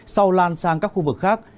sau lan sang các khu vực khác